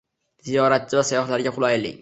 Ziyoratchi va sayyohlarga qulaylik